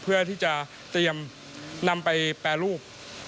เพื่อที่จะเตรียมนำไปแปรรูป